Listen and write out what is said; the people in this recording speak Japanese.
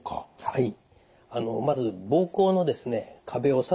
はい。